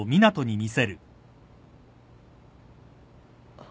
あっ。